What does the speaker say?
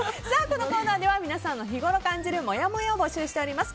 このコーナーでは皆さんの日ごろ感じるもやもやを募集しております。